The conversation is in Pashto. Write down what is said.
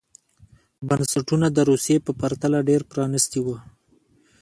بنسټونه د روسیې په پرتله ډېر پرانېستي وو.